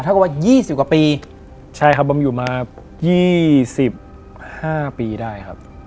ถ้าเกิดว่ายี่สิบกว่าปีใช่ครับบอมอยู่มายี่สิบห้าปีได้ครับ